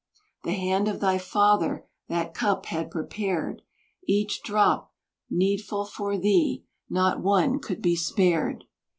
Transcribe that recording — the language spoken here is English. The hand of thy father that cup had prepared, Each drop needful for thee, not one could be spared.